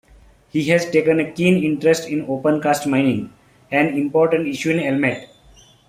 He has taken a keen interest in opencast mining, an important issue in Elmet.